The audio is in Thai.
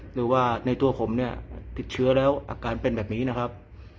หรือว่าในตัวผมเนี่ยติดเชื้อแล้วอาการเป็นแบบนี้นะครับ